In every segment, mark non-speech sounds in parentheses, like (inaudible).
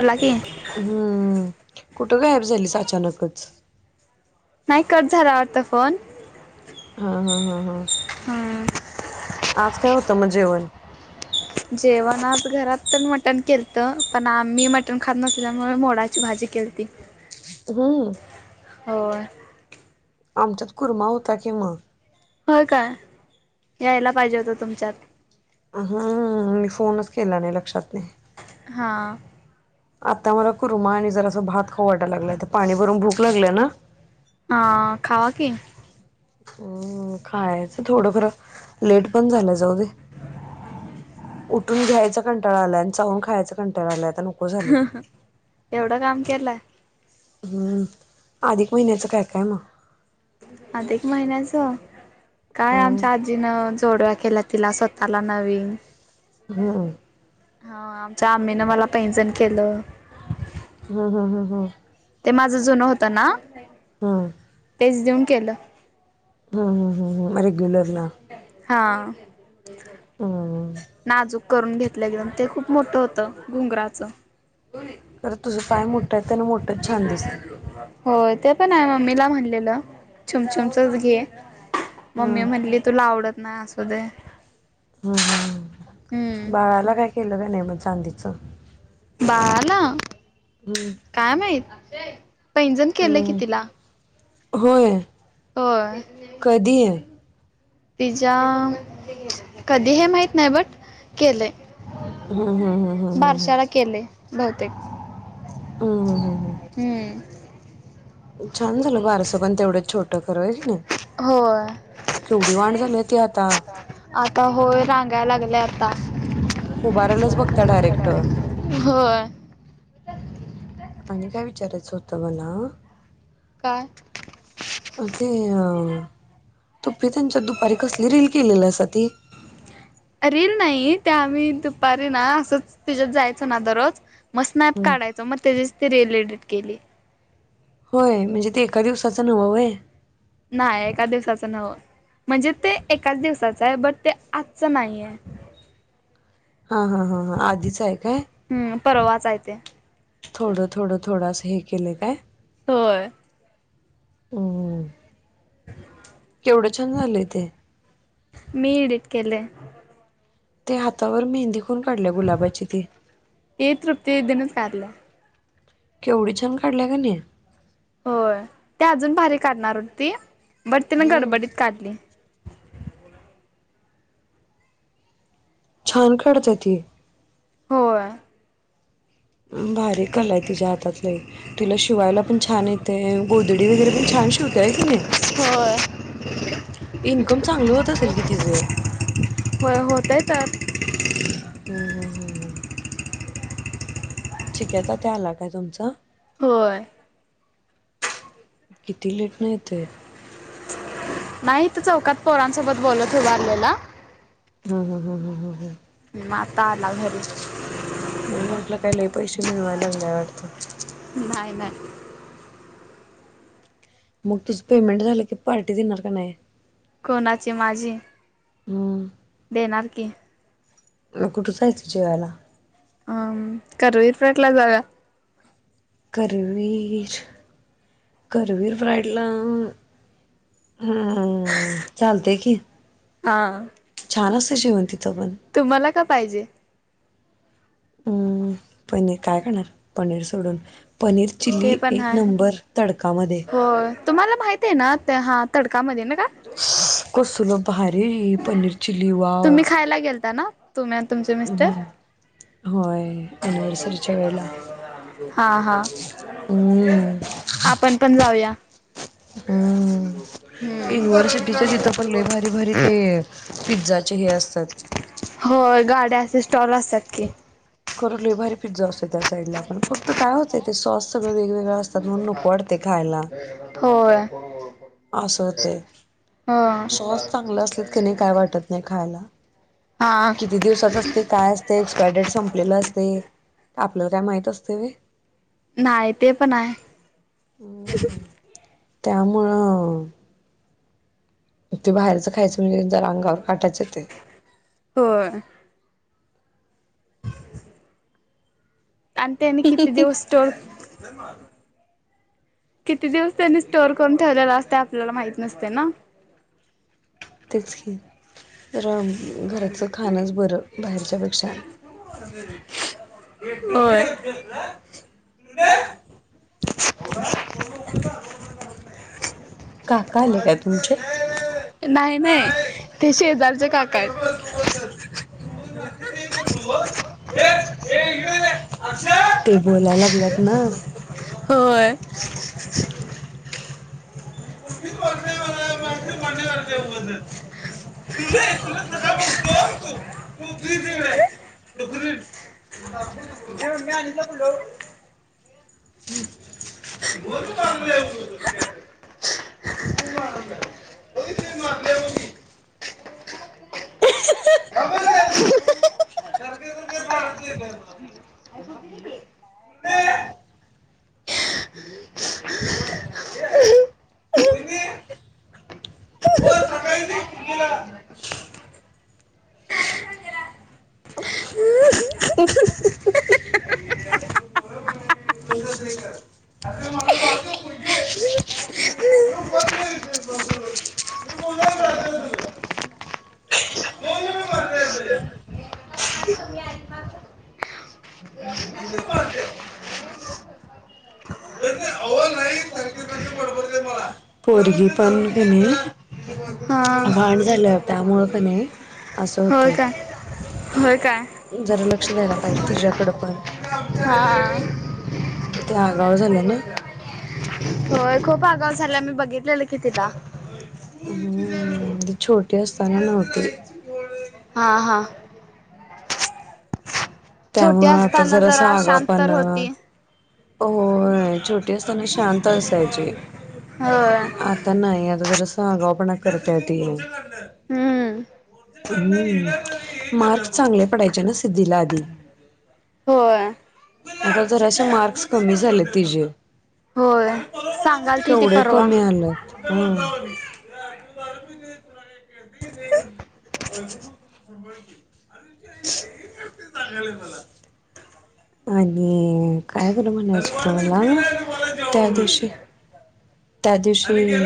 बोला की हम्म कुठं गायब झालीस अचानक च - नाही कट झाला वाटत फोन हा हा हा हा हम्म. आज काय होतं मग जेवण जेवण घरात पण मटण केलत पण आम्ही मटण खात नसल्यामुळे मोडाची भाजी केलती हा हो आमच्यात कुर्मा होता कि मग होय काय यायला पाहिजे होतं तुमच्यात हमम मी फोनच केला नाही लक्षात नाही हा आता मला कुर्मा आणि जरास भात खाऊ वाटलंय लागलाय तर पाणी भरून भूक लागल्या ना हा खावा कि हम्म खायचं थोडंफार लेट पण झालंय जाऊ दे उठून घ्यायचा कंटाळा आला आणि चाहून खायचं कंटाळा आलाय आता नको झालय येवढं काम केलाय हम्म अधिक महिन्याचं काय काय मग अधिक महिन्याचं काय हम्म आमच्या आजीनं जोडव्या केल्या तिला स्वतःला नवीन हम्म हा आमच्या आम्मीनं मला पैंजण केलं ह ह ह ह माझा जुनं होत ना हम तेच देऊन केलं ह ह ह रेग्युलरला हां ह नाजूक करून घेतलं एकदम ते खूप मोठं होतं घुंगराचं अगं तुझं पाय मोठाय त्यान मोठंच छान दिसते हो ते पण आहे मम्मीला म्हणलेलं छुमछुमचच घे मम्मी हं म्हणली तुला आवडत नाय असू दे हम्म हम हम्म बाळाला काय केलं का नाही मग चांदीचं बाळाला हं काय माहित पैंजण केलंय की हं तिला होय होय कधी आहे तिच्या कधी हे माहित नाही बट केलंय हं हं हं हं हं हं बारशाला केलंय बहुतेक हं हं हं हं हम्म छान झालं बारसं पण तेवढंच छोटं खरं होय कणी होय केवढी व्हान्ड झाली आहे ती आता आता होय रांगाय लागले आता उभारायल्याच बघत्या डायरेक्ट हो आणि काय विचारायचं होतं मला काय ते अ तुपी त्यांच्यात दुपारी कसली रील केलेलीसा ती रील नाही त्या आम्ही दुपारी ना असंच तिच्यात जायचो ना दररोज मग स्नॅप हं काढायच मग त्याची ते रिल एडिट केली होय म्हणजे ते एका दिवसाच नव्ह व्हय नाही एका दिवसाचं नव्ह म्हणजे ते एकाच दिवसाचं आहे बट ते आजच नाहीे हा हा हा हा आधीच आहे काय परर्वाजायच आहेकम्म्म्म थोडं थोडं थोडं असं हे केलं काय होय ह केवढं छान झालंय ते केलयं त्या हातांवर मेहंदी कोण काढल्या गुलाबाची ती ते तृप्ती दिदीनच काढल्या केव्हढी छान काढल्या गण्या होय त्या अजून भारी काढणारं होती बट तिनें हम्म गडबडीत काढलीं छान काढते ती होय भारीकला हाय तिच्या हातातलय तीला शिवायला पणं छान येतेय गोदडी वगैरे पणं छान आणि शिवता ऐतेतीले होय इन्कम चांगल होतं असेल कि तिचं होय होतय तर हम् हम् ह् चिक्याचा त्या आला काय तुमचं होय किती लेट न येतय. नाहीत चौकांत पोरांसोबत बोलतं हो उबारलेला हम हम हम हम हम आता आला घरी मी म्हटलं कांहीं लंय पैसे मिळवायला धंद्याआवडतं नाहीं नाही मंग तुझं पेमेंट झालकी पार्टी देणार की नाहीं कोणाची माझी हम्म. देणारं की किजवाला. हम करवीर फटला जागा करवीर करवीर वाडला. हा चालतंय की हा छान असतं शिवण तिथं पण तुम्हाला का पाहिजे हम्म पनीर काय करणारं पनीर सोडून पनीर ते चिली पण एक हाय. नंबर तडकयामध्ये तर हा तडकयामध्ये ना. का कसूल पहायत है पनीर चिली वाव. तुम्ही खायला गेलता ना तुम्ही आणि तुमचे मिस्टर हम होय, एनिव् सरीच्या वेळेला. हा हा हम्म. आपणं पणं जाऊया हम्म हम्म युनिव्हर्सिटीच्या इथं पणं लंय भारी भारी ते पिझ्झा हे असतांत. होय, गाड्याचे असे स्टॉल्स असतांत की कर लि भारी फिट जाऊ शकतात साईड ला पण फक्त काय होतंय ते सॉस सगळें वेगवेगळा तण नको वाटतें खायला होय असतें हो सॉस चांगले असले की काय वाटतं नाहीं खायला हा किती दिवसांचाच असतें काय असतें एक्सपायरी डेट संपलेल्या असतें आपल्या काय माहित असतें ते नाहीं ते पणं आहेय त्यामुळेळं ते बाहेरचं खायचं म्हणजे जरा अंगावर काटाच येतं होय (inaudible) आणि त्यानी किती दिवस टर किती दिवस त्यांनी स्टोअर करून ठेवलेला असते आपल्याला माहित नसते ना. तेच की रम घराचं खाणंच बरं बाहेरच्यापेक्षा होय. काका आले काय तुमचे. नाय नाय ते शेजारचे काकायेत. ते बोलायला लागलेत ना. होय. हो (inaudible) (unintelligible) (inaudible) म नि तर बल (unintelligible) ह् (unintelligible) तु मारलं बगीतलेल मी. का (unintelligible) (unintelligible) ही (unintelligible) वहीनी हो सग गला ना (unintelligible) ह (unintelligible) (unintelligible) ब (unintelligible) पाहते (unintelligible) पोरगी पाहुण घेणे. ह (inaudible) भाडण झालं त्यामुळं कनी असं होय होतय. काय होय. काय जरा लक्ष द्यायला पाहिजे तिच्याकडे पण. हा. ते आगाव झालं ना. होय खूप आगाव झाला मी बघितलेलं की तिला. हम्म छोटे असताना नवती. हा हा. छोटी त्यामुळ आता असताना जरासा जरा आगाव शांत तर पणा होती होय छोटी असताना शांत असायची. होय आता नाही आता जरासा आगाव पणा करताये ती. हम्म हम्म मार्क्स चांगले पडायचे ना सिद्धीला आधी. होय. आता जराशे मार्क्स कमी झाले तिजे. होय सांगाल ती ती केवढे परवा कमी आलेत, ह. (unintelligible) आणि. काय बरं म्हणायचं तुम्हाला त्या दिवशी त्या दिवशी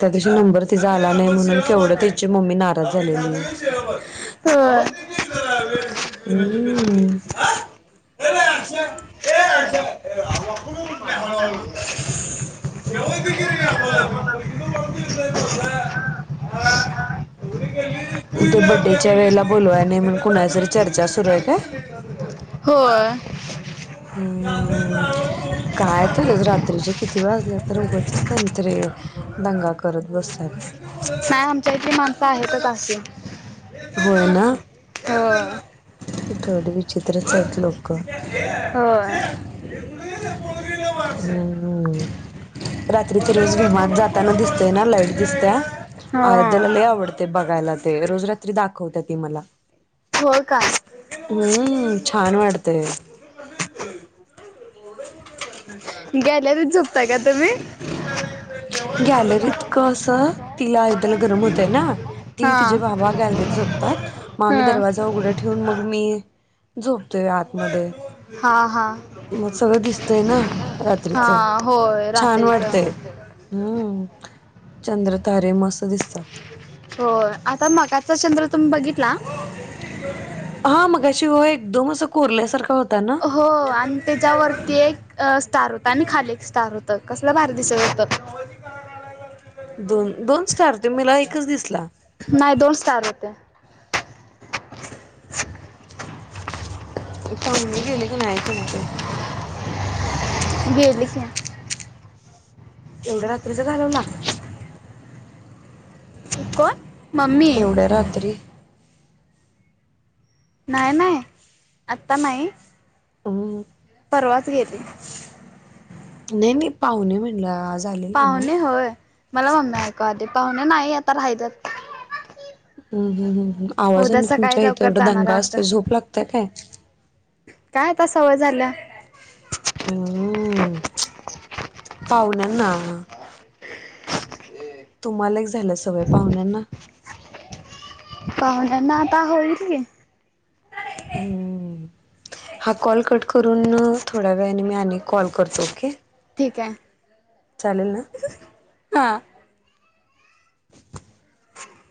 त्या दिवशी नंबर तिचा आला नाही म्हणून केवढ होय त्याची मम्मी नाराज झालेली. हम्म. ते अचछा (unintelligible) हा (unintelligible) होय कवत गिर या बला मी ड विय बरता ह (unintelligible) डी ग तेे बड्डेच्या वेळेला बोलवाय नाही मग कुणा जरी चर्चा सुरू आहे का हो हम्म काय त रात्रीच्या किती वाजलं तर उगंचच त्यांनीते दंगा करत बसतात नाही आमच्या इथे माणसं आहेतच असे होय ना हो थोड विचित्रच आहेत लोक हो हम रात्रीचे रोज विमान जाताना दिसतय ना लाईट दिसत्या हो अयोध्या आवडते बघायला रोज रात्री दाखवत ती मला हो का हम्म छान वाटतेय हो अकादमी गॅलरीत कस तिला गरम होतय ना ती हा तिजे बाबा गॅलरीत झोपतात मग हा आम्ही दरवाजा उघड ठेवून मग मी ते आतमध्ये हा हा मग सगळं दिसतय ना हा रात्रीच होय छान रात्रीचं वाटत ते हम्म चंद्र तारे मस्त दिसतात हो आता मगाचा चंद्र तुम्ही बघितला हा मगा शिव एकदम असं कोरल्यासारखा होत हो आणि त्याच्यावरती एक स्टार होत आणि खाली एक स्टार होत कसलं भारी दिसत होत दोन दोन स्टार तुम्हीला एकच दिसला ते गेले काी नाही तुमचे गेले की एवढ रात्रीच घालवला कोण मम्मी एवढ्या रात्री नाही नाही आता नाही हम परवाच गेली नाही नाही पाहून म्हणलं आलेले ना पाहुणे होय मला मम्मी ऐका आधी पाहुणे नाही आता राहिले ह हा ह आवाजाने तुमच्या इथे लवकर एवढा जाणार दंगा आहे वाटतं असत झोप लागतय काय झालं हम्म पाहुणे ना तुम्हाला एक झालं सवय पाहुण्यांना पाहुण्यांना होईले की हम हा कॉल कट करून थोड्या वेळाने मी आ कॉल करतो ओके ठीक आहे चालेल ना हा